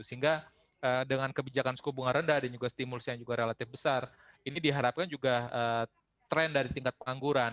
sehingga dengan kebijakan suku bunga rendah dan juga stimulus yang juga relatif besar ini diharapkan juga tren dari tingkat pengangguran